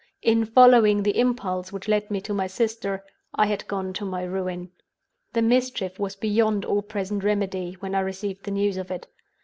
In following the impulse which led me to my sister, I had gone to my ruin. "The mischief was beyond all present remedy, when I received the news of it.